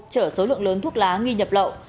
chở số lượng lớn thuốc lá nghi nhập lậu